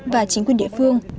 và chính quyền địa phương